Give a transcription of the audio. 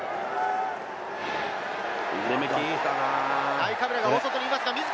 ナイカブラが大外にいます。